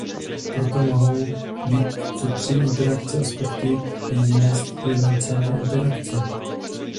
Proto mohou být tyto tři interakce aspekty jediné sjednocené interakce.